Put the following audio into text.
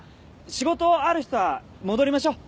仕事ある人は戻りましょう。